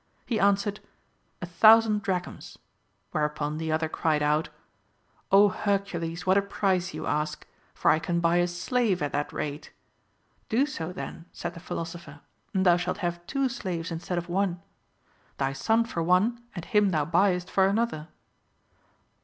He answered, A thousand drachms. Whereupon the other cried out :. Ο Hercules, what a price you ask ! for I can buy a slave at that rate. Do so, then, said the philosopher, and thou shalt have two slaves instead of one, — thy son for one, and him thou buyest for another.